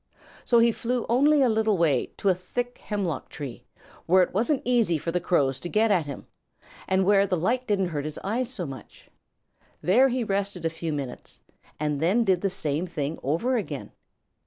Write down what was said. So he flew only a little way to a thick hemlock tree, where it wasn't easy for the Crows to get at him, and where the light didn't hurt his eyes so much. There he rested a few minutes and then did the same thing over again.